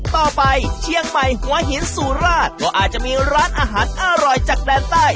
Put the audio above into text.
ต่อไปเชียงใหม่หัวหินสุราชก็อาจจะมีร้านอาหารอร่อยจากแดนใต้